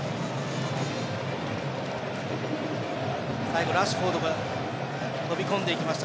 最後、ラッシュフォードが飛び込んでいきました。